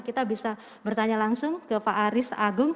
kita bisa bertanya langsung ke pak aris agung